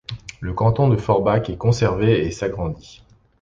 Le canton de Forbach est conservé et s'agrandit.